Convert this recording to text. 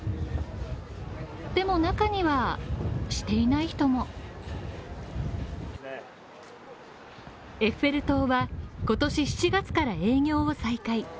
でも中にはしていない人もエッフェル塔は、今年７月から営業を再開。